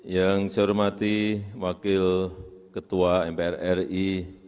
yang saya hormati wakil ketua mprri